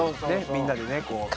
みんなでねこう。